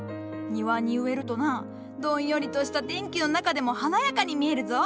庭に植えるとなどんよりとした天気の中でも華やかに見えるぞ。